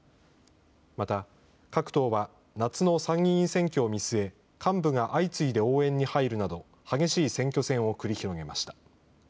また、各党は夏の参議院選挙を見据え、幹部が相次いで応援に入るなど、激しい選挙戦を繰り広げました。